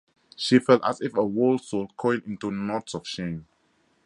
She felt as if her whole soul coiled into knots of shame.